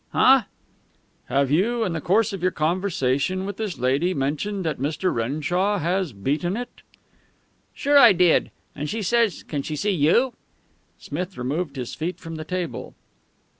"Huh?" "Have you, in the course of your conversation with this lady, mentioned that Mr. Renshaw has beaten it?" "Sure, I did. And she says can she see you?" Smith removed his feet from the table.